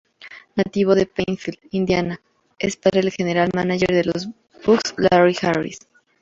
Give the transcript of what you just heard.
Nativo de Plainfield, Indiana, es padre del general mánager de los Bucks Larry Harris.